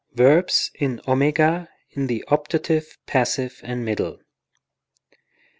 Verbs in @, in the optative, passive and middle. Pres.